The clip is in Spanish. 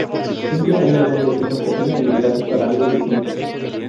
Siempre hay algún vecino que tiene habilidades para algo distinto.